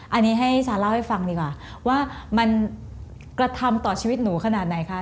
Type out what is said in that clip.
อันนี้ให้ซาเล่าให้ฟังดีกว่าว่ามันกระทำต่อชีวิตหนูขนาดไหนคะ